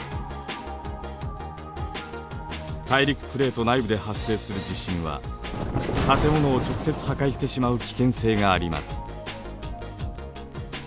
大陸プレート内部で発生する地震は建物を直接破壊してしまう危険性があります。